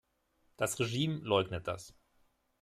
Das Regime leugnet das.